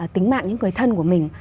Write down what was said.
tính mạng những người thân của mình